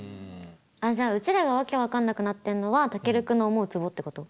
あじゃあうちらが訳分かんなくなってんのはタケルくんの思うつぼってこと？